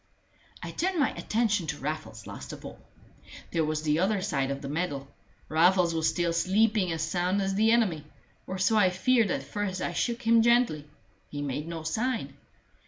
I turned my attention to Raffles last of all. There was the other side of the medal. Raffles was still sleeping as sound as the enemy or so I feared at first I shook him gently: he made no sign.